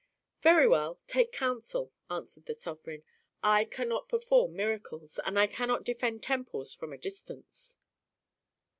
"Very well, take counsel," answered the sovereign. "I cannot perform miracles, and I cannot defend temples from a distance."